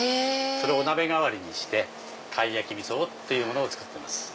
それをお鍋代わりにして貝焼きみそっていうものを作ってます。